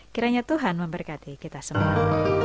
kiranya tuhan memberkati kita semua